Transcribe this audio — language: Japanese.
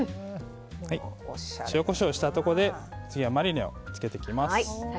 塩、コショウしたところで次はマリネに漬けていきます。